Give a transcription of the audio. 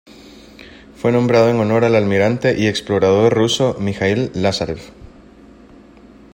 Fue nombrado en honor al almirante y explorador ruso Mijaíl Lázarev.